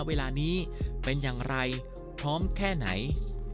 เวลานี้เป็นอย่างไรพร้อมแค่ไหน